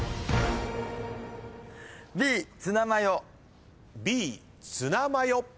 Ｂツナマヨ。